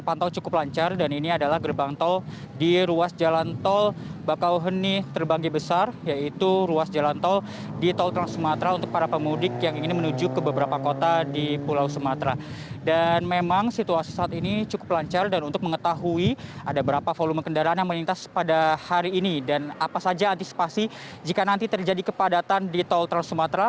apa yang terjadi yang melintas pada hari ini dan apa saja antisipasi jika nanti terjadi kepadatan di tol trans sumatera